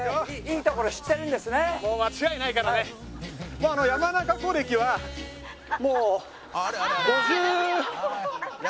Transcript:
もう山中湖歴はもう５０。